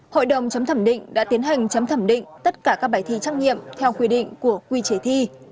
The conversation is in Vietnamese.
hội đồng chấm thẩm định đã tiến hành chấm thẩm định tất cả các bài thi trắc nghiệm theo quy định của quy chế thi